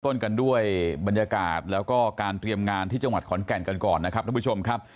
ต้นกันด้วยบรรยากาศแล้วก็การเตรียมงานที่จังหวัดขอนแก่นกันก่อนนะครับทุกผู้ชมครับ